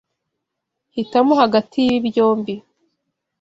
Hitamo hagati yibi byombi.